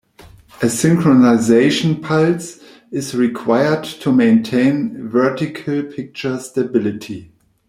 A synchronization pulse is required to maintain vertical picture stability.